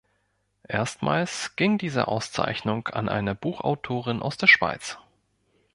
Erstmals ging diese Auszeichnung an eine Buchautorin aus der Schweiz.